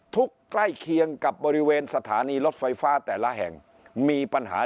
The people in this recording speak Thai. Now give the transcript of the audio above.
ใกล้เคียงกับบริเวณสถานีรถไฟฟ้าแต่ละแห่งมีปัญหา